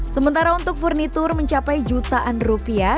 sementara untuk furnitur mencapai jutaan rupiah